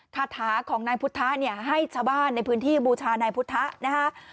คาถาของนายพุทธะเนี่ยให้ชาวบ้านในพื้นที่บูชานายพุทธะนะคะ